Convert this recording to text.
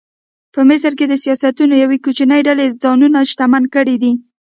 په مصر کې د سیاسیونو یوې کوچنۍ ډلې ځانونه شتمن کړي دي.